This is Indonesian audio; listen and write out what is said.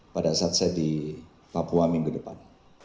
pada saat saya di papua minggu depan